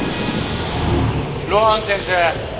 露伴先生